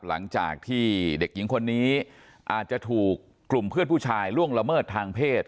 หลังจากที่เด็กหญิงคนนี้อาจจะถูกกลุ่มเพื่อนผู้ชายล่วงละเมิดทางเพศ